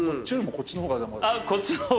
こっちの方が。